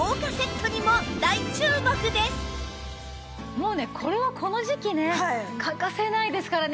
もうねこれはこの時季ね欠かせないですからね。